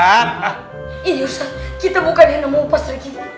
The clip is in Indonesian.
ini ustadz kita bukan yang nemu pak sri kiti